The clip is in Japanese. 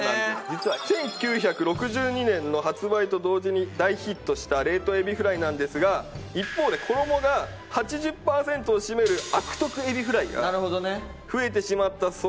実は１９６２年の発売と同時に大ヒットした冷凍エビフライなんですが一方で衣が８０パーセントを占める悪徳エビフライが増えてしまったそうなんです。